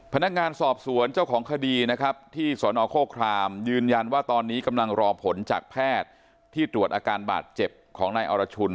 พนักงานสอบสวนเจ้าของคดีนะครับที่สนโฆครามยืนยันว่าตอนนี้กำลังรอผลจากแพทย์ที่ตรวจอาการบาดเจ็บของนายอรชุน